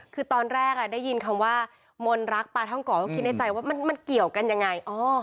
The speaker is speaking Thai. คือตอนแรกได้ยินคำว่ามนต์รักปลาท่องเกาะก็คิดในใจว่ามันเกี่ยวกันยังไง